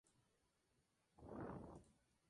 Rick toma a Randall y se escapa dejando atrapado a Shane.